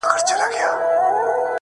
• تا ولي په سوالونو کي سوالونه لټوله ؛